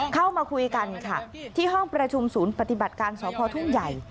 เข้ามาคุยกันค่ะที่ห้องประชุมศูนย์ปฏิบัติการสพทุ่งใหญ่